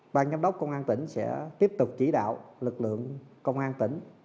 ban giám đốc công an tỉnh sẽ tiếp tục chỉ đạo lực lượng công an tỉnh